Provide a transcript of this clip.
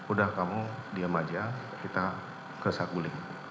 udah kamu diam aja kita kesakulik